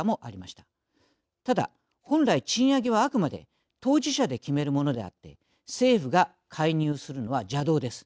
ただ本来、賃上げはあくまで当事者で決めるものであって政府が介入するのは邪道です。